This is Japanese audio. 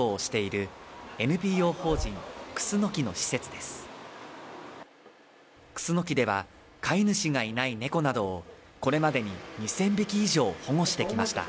くすのきでは飼い主がいない猫などをこれまでに２０００匹以上保護してきました。